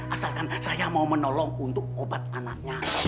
asalkan saya mau menolong untuk obat anaknya